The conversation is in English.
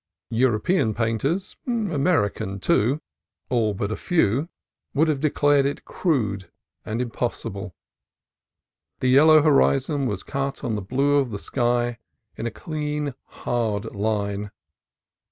European painters — American, too, all but a few — would have declared it crude and impossible. The yellow horizon was cut on the blue of the sky in a clean, hard line.